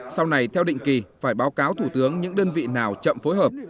sau này theo định kỳ phải báo cáo thủ tướng những đơn vị nào chậm phối hợp